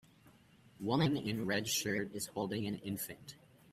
Woman in red shirt is holding an infant.